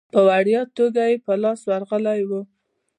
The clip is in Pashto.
په وړیا توګه یې په لاس ورغلی وو.